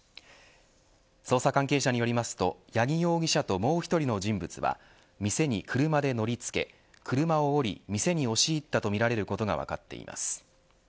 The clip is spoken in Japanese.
捜査関係者よりますと八木容疑者ともう１人の人物は店に車で乗り付け車を降り店に押し入ったとみられることが分かっています。